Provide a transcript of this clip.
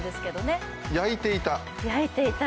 焼いていた？